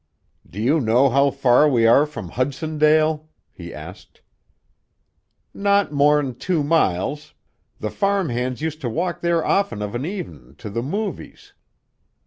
"Do you know how far we are from Hudsondale?" he asked. "Not more'n two miles, the farm hands used to walk there often of an evenin' to the movies."